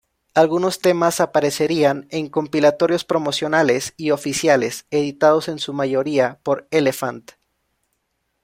Algunos temas aparecerían en compilatorios promocionales y oficiales, editados en su mayoría por Elefant.